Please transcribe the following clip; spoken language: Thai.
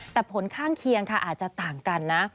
แต่ผลข้างเคียงค่ะอาจจะต่างกันนะ